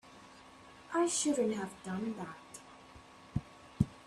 I shouldn't have done that.